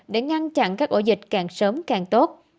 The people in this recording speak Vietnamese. để ngăn chặn các ổ dịch càng sớm càng tốt